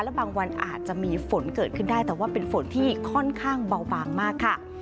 และบางวันอาจจะมีฝนเกิดขึ้นได้แต่ว่าเป็นฝนที่ค่อนข้างเบาบางมากค่ะ